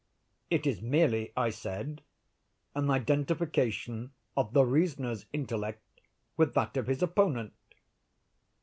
"It is merely," I said, "an identification of the reasoner's intellect with that of his opponent."